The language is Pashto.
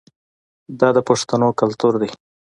دا د پښتنو کلتور دی.